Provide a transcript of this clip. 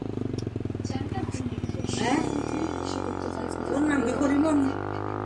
আমি একটা অসাধারণ বার্থডে পার্টি করতে চাই, জাঁকজমকপূর্ণ।